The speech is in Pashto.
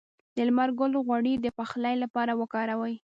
د لمر ګل غوړي د پخلي لپاره وکاروئ